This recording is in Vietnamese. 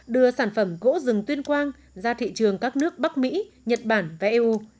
đưa sản phẩm gỗ rừng tuyên quang ra thị trường các nước bắc mỹ nhật bản và eu